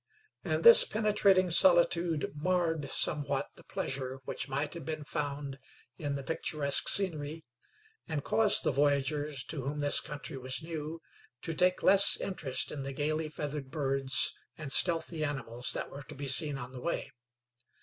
And this penetrating solitude marred somewhat the pleasure which might have been found in the picturesque scenery, and caused the voyagers, to whom this country was new, to take less interest in the gaily feathered birds and stealthy animals that were to be seen on the way.